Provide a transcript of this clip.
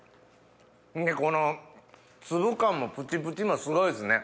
この粒感もプチプチもすごいっすね。